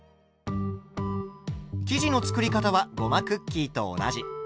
生地の作り方はごまクッキーと同じ。